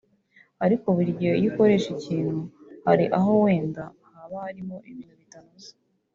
ariko buri gihe iyo ukoresha ikintu hari aho wenda haba harimo ibintu bitanoze